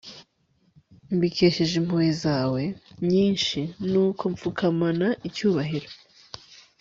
mbikesheje impuhwe zawe nyinshi nuko mpfukamana icyubahiro